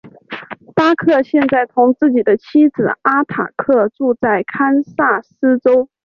巴克现在同自己的妻子阿塔克住在堪萨斯州。